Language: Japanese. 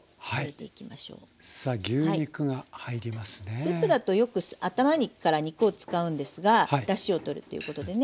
スープだとよく頭から肉を使うんですがだしをとるっていうことでね。